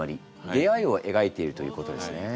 出逢いを描いているということですね。